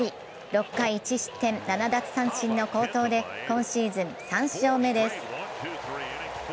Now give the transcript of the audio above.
６回１失点７奪三振の好投で今シーズン３勝目です。